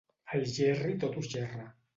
Algerri tot ho xerra.